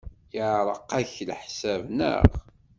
Yeɛreq-ak leḥsab, naɣ?